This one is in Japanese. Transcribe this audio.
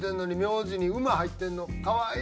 名字に「馬」入ってんの可愛い。